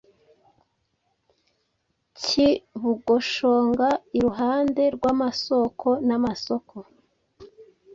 cyi bugushonga iruhande rw'amasoko n'amasoko